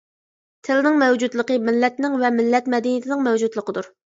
تىلنىڭ مەۋجۇتلۇقى مىللەتنىڭ ۋە مىللەت مەدەنىيىتىنىڭ مەۋجۇتلۇقىدۇر.